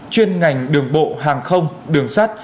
chuyên ngành đường bộ hàng không đường sát